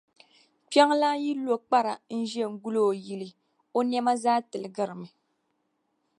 Kpiɔŋlan’ yi lo kpara n-ʒe n-gul’ o yili, o nɛma zaa tiligirimi.